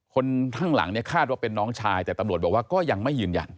คนข้างหลังเนี่ยคาดว่าเป็นน้องชายแต่ตำรวจบอกว่าก็ยังไม่ยืนยัน